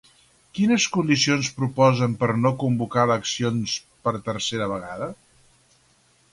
Quines condicions proposen per no convocar eleccions per tercera vegada?